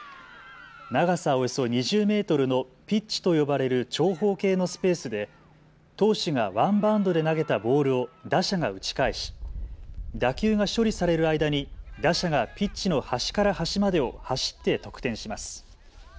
長さおよそ２０メートルのピッチと呼ばれる長方形のスペースで投手がワンバウンドで投げたボールを打者が打ち返し、打球が処理される間に打者がピッチの端から端までを走って得点します。